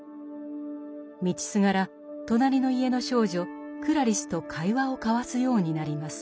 道すがら隣の家の少女クラリスと会話を交わすようになります。